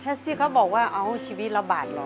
แท็กซี่เขาบอกว่าเอาชีวิตละบาทเหรอ